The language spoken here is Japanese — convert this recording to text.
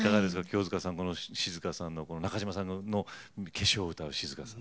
清塚さん中島さんの「化粧」を歌う静香さん。